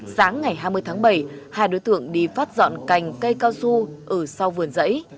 sáng ngày hai mươi tháng bảy hai đối tượng đi phát dọn cành cây cao su ở sau vườn dẫy